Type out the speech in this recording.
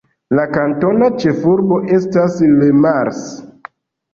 La kantona ĉefurbo estas Le Mars.